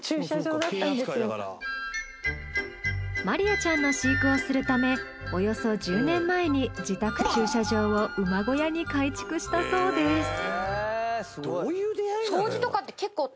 マリヤちゃんの飼育をするためおよそ１０年前に自宅駐車場を馬小屋に改築したそうです。